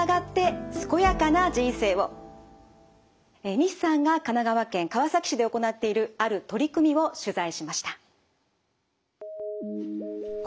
西さんが神奈川県川崎市で行っているある取り組みを取材しました。